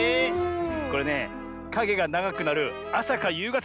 これねかげがながくなるあさかゆうがたがおすすめだぜ。